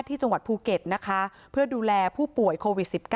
ที่จังหวัดภูเก็ตนะคะเพื่อดูแลผู้ป่วยโควิด๑๙